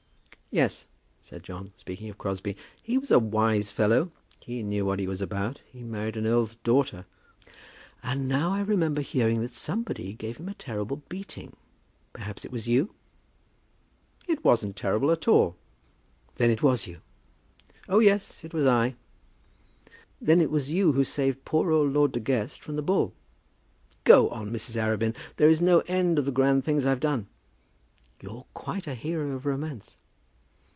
"Yes," said John, speaking of Crosbie, "he was a wise fellow; he knew what he was about; he married an earl's daughter." "And now I remember hearing that somebody gave him a terrible beating. Perhaps it was you?" "It wasn't terrible at all," said Johnny. "Then it was you?" "Oh, yes; it was I." "Then it was you who saved poor old Lord De Guest from the bull?" "Go on, Mrs. Arabin. There is no end of the grand things I've done." "You're quite a hero of romance."